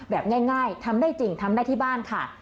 แบบง่ายทำได้จริงทำได้ที่บ้านค่ะ